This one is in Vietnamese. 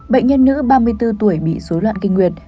bệnh nhân nữ ba mươi bốn tuổi bị dối loạn kinh nguyệt